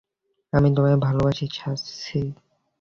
আমি তোমায় ভালোবাসি, সার্সি।